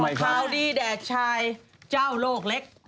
ของเคางเลี้ยงแดดชายเจ้าโลกเล็ก